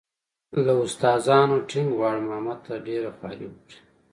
له استادانو ټینګ غواړم احمد ته ډېره خواري وکړي.